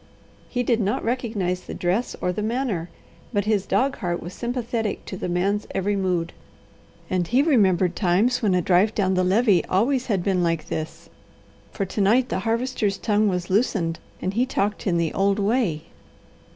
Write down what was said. He did not recognize the dress or the manner, but his dog heart was sympathetic to the man's every mood, and he remembered times when a drive down the levee always had been like this, for to night the Harvester's tongue was loosened and he talked in the old way.